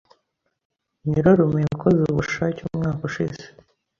Nyirarume yakoze ubushake umwaka ushize.